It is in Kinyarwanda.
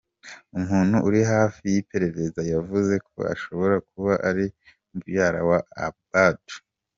Umuntu uri hafi y’iperereza yavuze ko ashobora kuba ari mubyara wa Abaaoud.